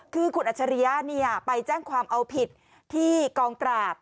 คือคุณอัจฉริยะไปแจ้งความเอาผิดที่กองปราบ